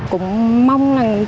cũng mong rằng trong